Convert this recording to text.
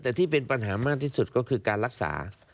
แต่ที่เป็นปัญหามากที่สุดก็คือการรักษา